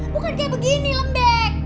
bukan kayak begini lembek